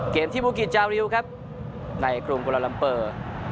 เกมที่บุกิจจาริวครับในกรุงกุลาลัมเปอร์